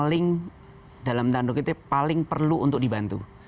paling dalam dalam dalam tanda k betrayal paling perlu dibantu